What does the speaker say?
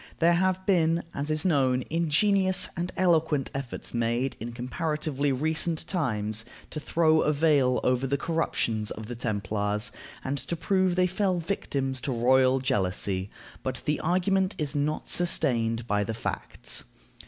There have been, as is known, ingenious and eloquent efforts made, in comparatively recent times, to throw a veil over the corruptions of the Templars, and to prove that they fell victims to royal jealousy, but the argument is not sustained by the facts.